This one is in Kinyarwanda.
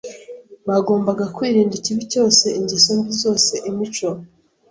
bagombaga kwirinda ikibi cyose, ingeso mbi zose, imico